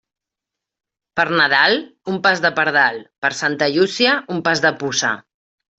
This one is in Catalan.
Per Nadal, un pas de pardal; per Santa Llúcia, un pas de puça.